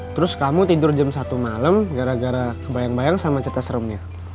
terus kamu tidur jam satu malam gara gara kebayang bayang sama cerita seremnya